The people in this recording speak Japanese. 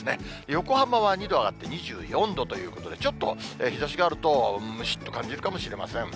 横浜は２度上がって２４度ということで、ちょっと日ざしがあると、むしっと感じるかもしれません。